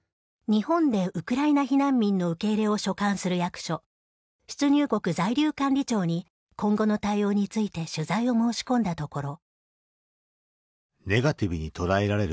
日本でウクライナ避難民の受け入れを所管する役所出入国在留管理庁に今後の対応について取材を申し込んだところ。